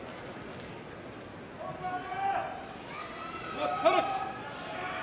待ったなし。